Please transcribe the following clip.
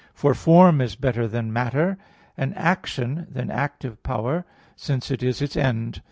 For form is better than matter; and action than active power, since it is its end.